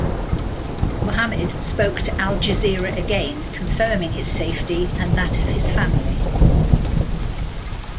Muhammad spoke to Al Jazeera again confirming his safety and that of his family.